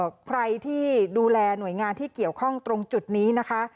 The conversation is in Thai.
ใครที่ดูแลหน่วยงานที่เกี่ยวข้องตรงจุดนี้นะคะ